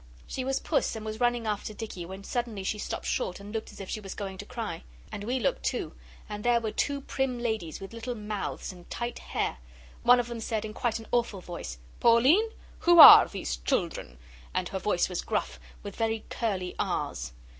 She was Puss and was running after Dicky when suddenly she stopped short and looked as if she was going to cry. And we looked too, and there were two prim ladies with little mouths and tight hair. One of them said in quite an awful voice, 'Pauline, who are these children?' and her voice was gruff; with very curly R's.